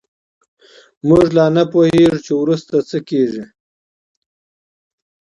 موږ لا نه پوهېږو چې وروسته څه کېږي.